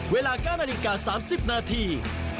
เวลา๙นาฬิกา๓๐นาที